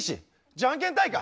じゃんけん大会？